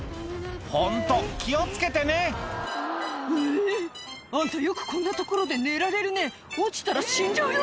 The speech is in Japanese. ホント気を付けてねえぇあんたよくこんな所で寝られるね落ちたら死んじゃうよ